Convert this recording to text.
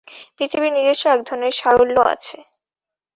পৃথিবীর নিজস্ব একধরনের সারল্য আছে।